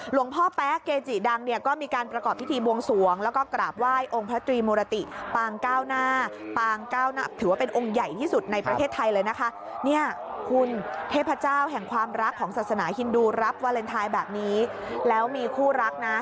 หลวงพ่อแป๊กเกจิดังเนี่ยก็มีการประกอบพิธีบวงสวงแล้วก็กราบไหว้องค์พระตรีมุรติปางก้าวน่า